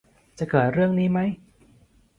จะเกิดเรื่องนี้ไหม ?